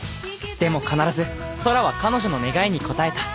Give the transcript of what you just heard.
でも必ず空は彼女の願いに応えた